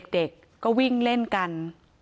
เด็กก็วิ่งเล่นกัน